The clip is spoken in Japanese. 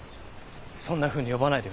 そんなふうに呼ばないでくれ。